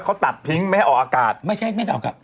เขาตัดพิ้งไม่ให้ออกอากาศ